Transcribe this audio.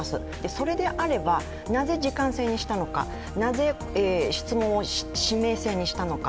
それであれば、なぜ時間制にしたのか、なぜ質問を指名制にしたのか。